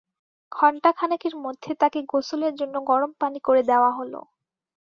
ঘন্টাখানেকের মধ্যে তাঁকে গোসলের জন্যে গরম পানি করে দেয়া হলো।